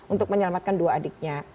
untuk menyelamatkan dua adiknya